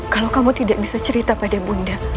kalau kamu tidak bisa cerita pada bunda